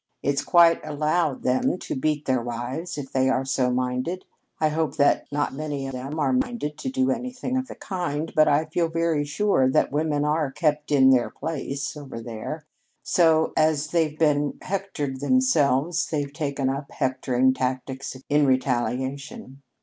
It's quite allowed them to beat their wives if they are so minded. I hope that not many of them are minded to do anything of the kind, but I feel very sure that women are 'kept in their place' over there. So, as they've been hectored themselves, they've taken up hectoring tactics in retaliation.